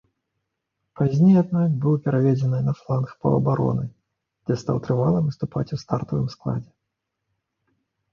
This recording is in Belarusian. Пазней, аднак, быў пераведзены на фланг паўабароны, дзе стаў трывала выступаць у стартавым складзе.